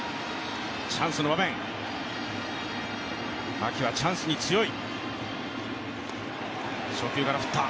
牧はチャンスに強い。